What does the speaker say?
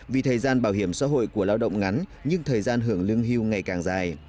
vì thời gian bảo hiểm xã hội của lao động ngắn nhưng thời gian hưởng lương hưu ngày càng dài